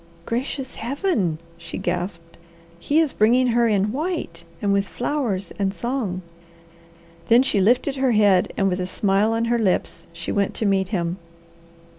"Gracious Heaven!" she gasped. "He is bringing her in white, and with flowers and song!" Then she lifted her head, and with a smile on her lips she went to meet him.